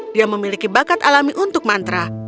dia memiliki bakat alami untuk mantra